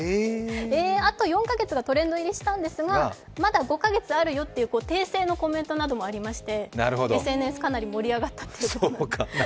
「あと４か月」がトレンド入りしたんですが、まだ５か月あるよという訂正のコメントなどもありまして、ＳＮＳ、かなり盛り上がったんです。